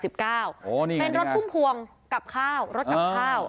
เป็นรถพุ่มพวงกับข้าวรถกับข้าว